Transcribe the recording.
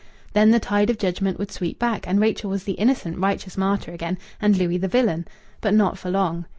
Then the tide of judgment would sweep back, and Rachel was the innocent, righteous martyr again, and Louis the villain. But not for long.